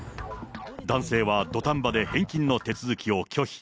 男性は土壇場で返金の手続きを拒否。